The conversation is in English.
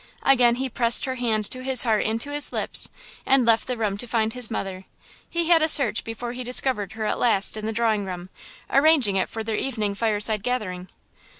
Again he pressed her hand to his heart and to his lips, and left the room to find his mother. He had a search before he discovered her at last in the drawing room, arranging it for their evening fireside gathering.